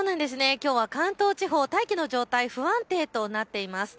きょうは関東地方、大気の状態が不安定となっています。